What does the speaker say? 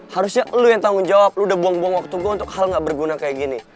harusnya lo yang tanggung jawab lo udah buang buang waktu gue untuk hal gak berguna kayak gini